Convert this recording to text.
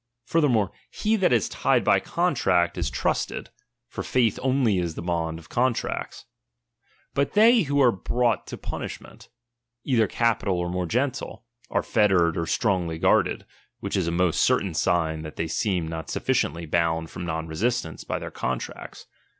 Furthermore, he that is tied by contract is trusted ; for faith only is the bond of contracts ; but they who are brought to punishment, either capital or more gentle, are fettered or strongly guarded ; which is a most cer tain sign that they seemed not sufficiently bound from non resistance by their contracts.